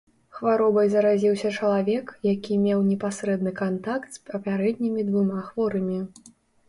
Хваробай заразіўся чалавек, які меў непасрэдны кантакт з папярэднімі двума хворымі.